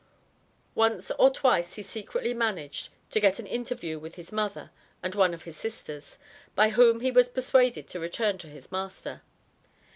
Once or twice he secretly managed to get an interview with his mother and one of his sisters, by whom he was persuaded to return to his master.